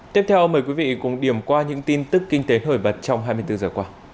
tiếp theo mời quý vị cùng điểm qua những tin tức kinh tế khởi bật trong hai mươi bốn giờ qua